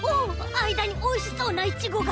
あいだにおいしそうなイチゴが！